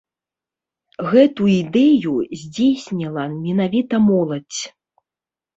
Гэту ідэю здзейсніла менавіта моладзь.